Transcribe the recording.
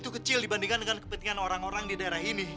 itu kecil dibandingkan dengan kepentingan orang orang di daerah ini